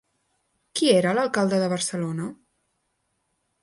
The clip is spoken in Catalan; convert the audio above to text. Qui era l'alcalde de Barcelona?